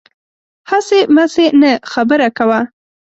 هسې مسې نه، خبره کوه